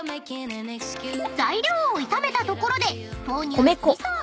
［材料を炒めたところで］